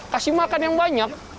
kasih makan yang banyak